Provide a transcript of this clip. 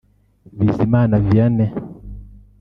Bizimana Vianney